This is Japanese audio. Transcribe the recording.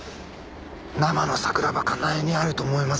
生の桜庭かなえに会えると思います。